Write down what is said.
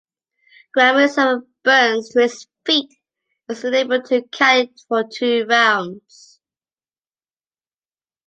Graeme suffered burns to his feet and was unable to caddy for two rounds.